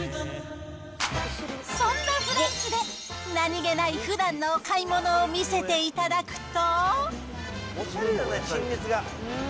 そんなフランスで何気ないふだんのお買い物を見せていただくと。